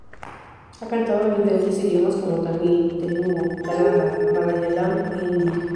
Ha cantado en diferentes idiomas como tamil, telugu, kannada, malayalam e hindi.